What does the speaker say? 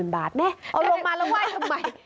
๑๐๐๐๐บาทเน่เอาลงมาแล้วไหว้ทำไม